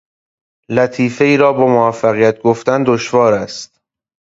لطیفهای را با موفقیت گفتن دشوار است.